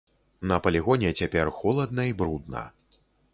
На палігоне цяпер холадна і брудна.